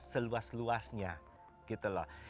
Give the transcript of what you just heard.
seluas luasnya gitu loh